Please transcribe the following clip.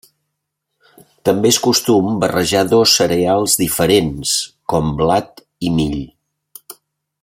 També és costum barrejar dos cereals diferents, com blat i mill.